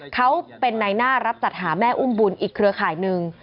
เขาเป็นในหน้ารับจัดหาแม่อุ้มบุญอีกเครือข่ายหนึ่ง